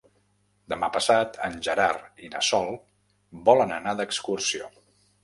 Demà passat en Gerard i na Sol volen anar d'excursió.